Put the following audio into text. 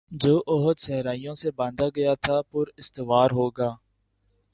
جو عہد صحرائیوں سے باندھا گیا تھا پر استوار ہوگا